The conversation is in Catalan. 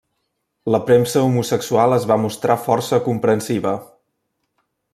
La premsa homosexual es va mostrar força comprensiva.